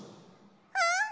うん！